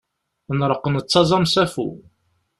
Nreqq nettaẓ am usafu.